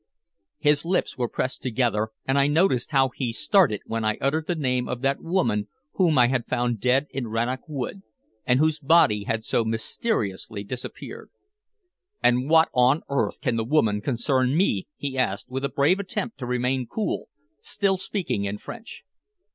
His lips were pressed together, and I noticed how he started when I uttered the name of that woman whom I had found dead in Rannoch Wood, and whose body had so mysteriously disappeared. "And what on earth can the woman concern me?" he asked, with a brave attempt to remain cool, still speaking in French.